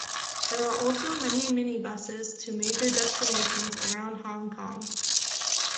There are also many minibuses to major destinations around Hong Kong.